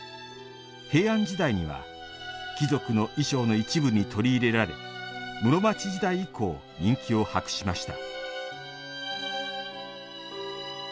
平安時代には貴族の衣装の一部に取り入れられ室町時代以降、人気を博しました。